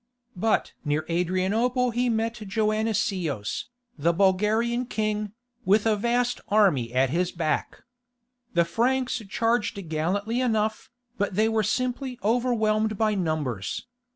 But near Adrianople he met Joannicios, the Bulgarian king, with a vast army at his back. The Franks charged gallantly enough, but they were simply overwhelmed by numbers.